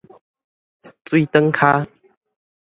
水轉跤